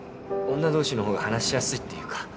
女同士の方が話しやすいっていうか。